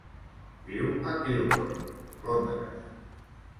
Viu a Kilburn, Londres.